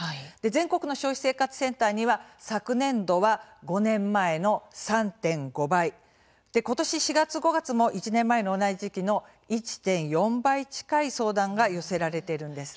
全国の消費生活センターには昨年度は５年前の３．５倍。ことし４月、５月も１年前の同じ時期の１．４倍近い相談が寄せられているんです。